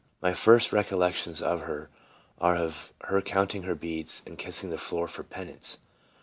My first recol lections of her are of her counting her beads, and kissing the floor for penance.